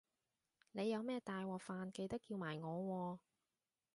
你有咩大鑊飯記得叫埋我喎